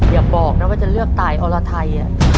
อย่าบอกนะว่าจะเลือกตายอรไทย